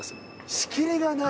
仕切りがない？